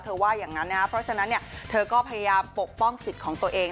ว่าอย่างนั้นนะครับเพราะฉะนั้นเธอก็พยายามปกป้องสิทธิ์ของตัวเอง